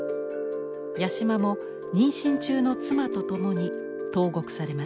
八島も妊娠中の妻と共に投獄されます。